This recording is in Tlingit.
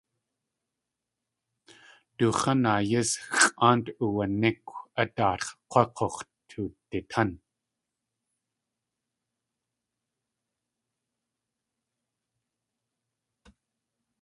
Du x̲án.aa yís xʼáant uwaníkw a daatx̲ k̲wá k̲ux̲ tuwditán.